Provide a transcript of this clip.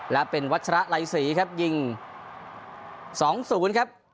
และเป็นวัชระไรศรีครับยิง๒๐ครับ